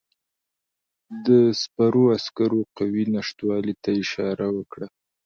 ده د سپرو عسکرو قوې نشتوالي ته اشاره وکړه.